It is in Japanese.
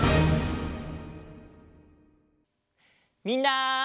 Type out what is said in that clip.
みんな！